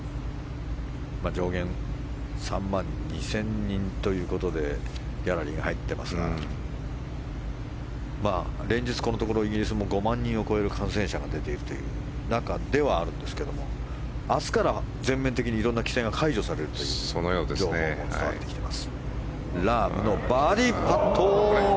上限３万２０００人ということでギャラリーが入っていますが連日、このところイギリスも５万人を超える感染者が出ているという中ではあるんですけど明日から全面的に色んな規制が解除されるという情報も伝わってきています。